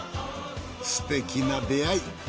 すてきな出会い。